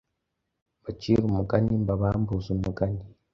Mbacire umugani, mbabambuze umugani,